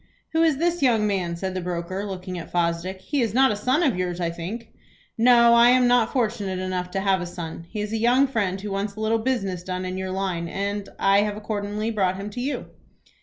"Who is this young man?" said the broker, looking at Fosdick. "He is not a son of yours I think?" "No; I am not fortunate enough to have a son. He is a young friend who wants a little business done in your line and, I have accordingly brought him to you."